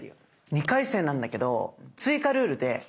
２回戦なんだけど追加ルールでこちら！